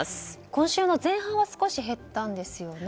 今週の前半は少し減ったんですよね。